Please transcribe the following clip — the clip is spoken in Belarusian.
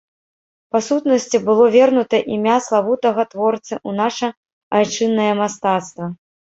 Па сутнасці, было вернута імя славутага творцы ў наша айчыннае мастацтва.